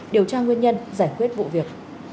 điều tra nguyên nhân giải quyết vụ việc